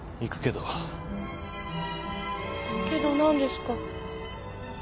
けど何ですか？